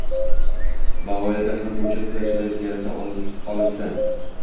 va oilada hamma uchun qulay sharoit yarata olinsa